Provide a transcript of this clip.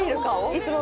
いつも。